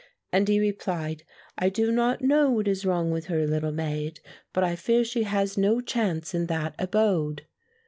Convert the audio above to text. and he replied, 'I do not know what is wrong with her, little maid; but I fear she has no chance in that abode.